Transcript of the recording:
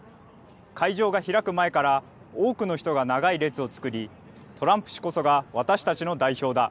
会場が開く前から多くの人が長い列を作り、トランプ氏こそが私たちの代表だ。